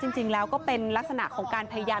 จริงแล้วก็เป็นลักษณะของการพยายาม